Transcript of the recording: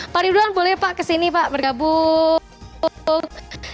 pak ridwan boleh pak kesini pak bergabung